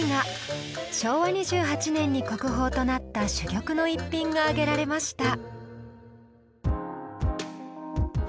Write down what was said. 昭和２８年に国宝となった珠玉の逸品が挙げられました。